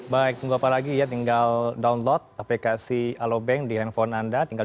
baik tunggu apa lagi ya tinggal download aplikasi alobank di handphone anda